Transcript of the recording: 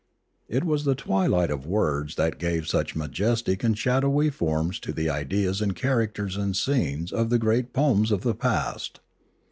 It was the twilight of words that gave such majestic and shadowy forms to the ideas and characters and scenes of the great poems of the past.